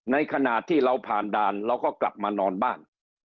ขณะที่เราผ่านด่านเราก็กลับมานอนบ้าน